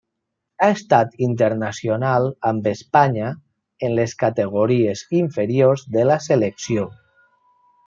Ha estat internacional amb Espanya en les categories inferiors de la selecció.